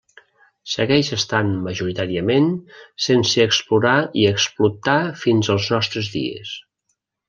Segueix estant majoritàriament sense explorar i explotar fins als nostres dies.